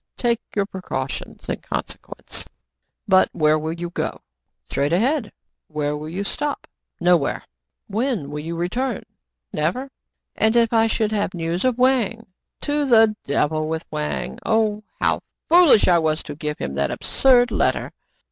"Take your precautions in consequence." " But where will you go }"" Straight ahead." " Where will you stop }"" Nowhere." " And when will you return }" "Never." " And if I should have news of Wang }" "To the devil with Wang! Oh, how foolish I was to give him that absurd letter!